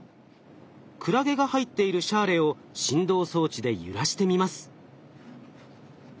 クラゲが入っているシャーレを振動装置で揺らしてみます。